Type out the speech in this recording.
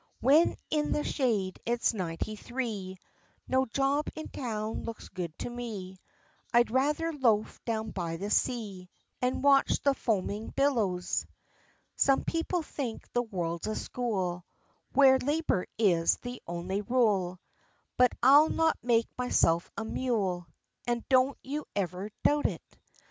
When in the shade it's ninety three, No job in town looks good to me, I'd rather loaf down by the sea, And watch the foaming billows. Some people think the world's a school, Where labor is the only rule; But I'll not make myself a mule, And don't you ever doubt it.